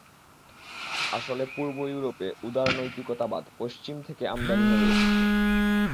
আসলে পূর্ব ইউরোপে উদারনৈতিকতাবাদ পশ্চিম থেকে আমদানি হয়ে এসেছে।